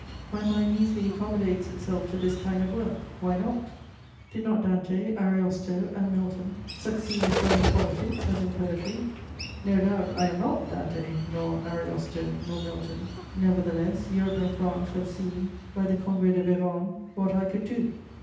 My mind easily accommodates itself to this kind of work: why not? Did not Dante, Ariosto and Milton succeed as well in politics as in poetry? No doubt I am not Dante, nor Ariosto, nor Milton; nevertheless, Europe and France have seen by the Congrès de Vérone what I could do.